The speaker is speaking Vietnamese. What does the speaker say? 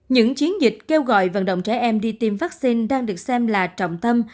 những chiến dịch kêu gọi vận động trẻ em đi tiêm vaccine đang được xem là trọng tâm